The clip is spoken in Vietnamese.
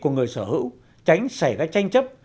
của người sở hữu tránh xảy ra tranh chấp